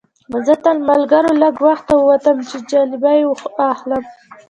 زه تر ملګرو لږ وخته ووتم چې جلبۍ واخلم.